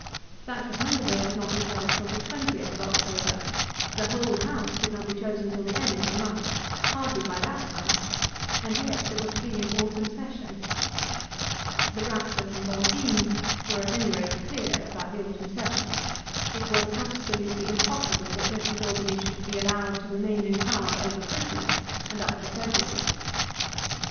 That for Tankerville would not be held till the 20th of October. The whole House could not be chosen till the end of the month, hardly by that time and yet there was to be an autumn Session. The Ratlers and Bonteens were at any rate clear about the autumn Session. It was absolutely impossible that Mr. Daubeny should be allowed to remain in power over Christmas, and up to February.